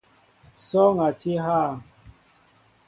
Sɔɔŋ a tí hà ?